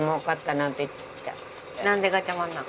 なんでガチャマンなの？